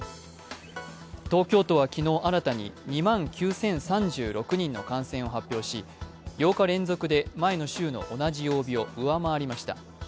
東京都は昨日新たに２万９０３６人の感染を発表し、８日連続で前の週の同じ曜日を上回りました。